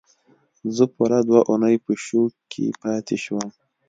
زه پوره دوه اونۍ په شوک کې پاتې شوم